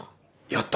やった！